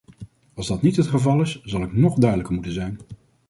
Als dat niet het geval is, zal ik nog duidelijker moeten zijn.